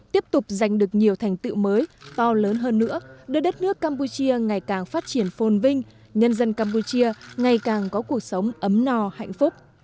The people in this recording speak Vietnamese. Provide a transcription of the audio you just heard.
tiếp tục giành được nhiều thành tựu mới to lớn hơn nữa đưa đất nước campuchia ngày càng phát triển phồn vinh nhân dân campuchia ngày càng có cuộc sống ấm no hạnh phúc